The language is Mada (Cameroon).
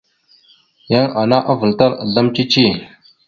Yan ana avəlatal azlam cici.